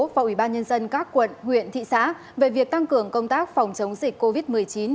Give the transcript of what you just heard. và ủy ban nhân dân các quận huyện thị xã về việc tăng cường công tác phòng chống dịch covid một mươi chín